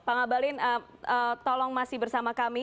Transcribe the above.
pak ngabalin tolong masih bersama kami